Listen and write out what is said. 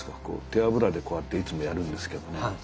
手脂でこうやっていつもやるんですけどね。